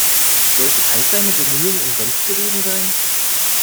Sollten all seine Bemühungen umsonst gewesen sein?